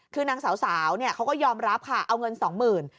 คือนางสาวเนี่ยเขาก็ยอมรับค่ะเอาเงิน๒๐๐๐๐บาท